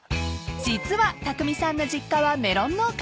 ［実はたくみさんの実家はメロン農家］